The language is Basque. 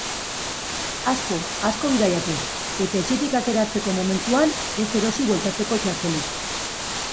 Asko, asko bidaiatu eta etxetik ateratzeko momentuan, ez erosi bueltatzeko txartelik.